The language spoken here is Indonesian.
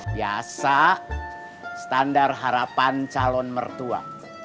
biasa standar harapan calon mertua